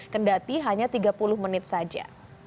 kendati hanya tiga puluh menit saja